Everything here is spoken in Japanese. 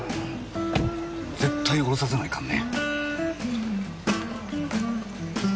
絶対下ろさせないかんね。